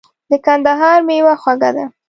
د کندهار مېوه خوږه ده .